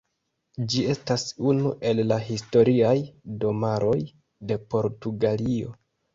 Ĝi estas unu el la Historiaj Domaroj de Portugalio.